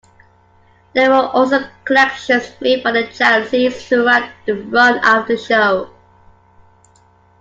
There were also collections made for the charities throughout the run of the show.